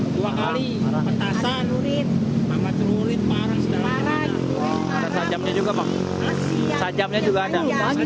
dua kali petasan lurit mamat lurit parah setelah ada saja juga maksudnya juga ada